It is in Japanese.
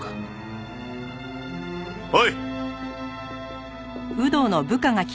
おい！